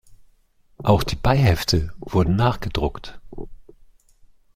Auch die "Beihefte" wurden nachgedruckt.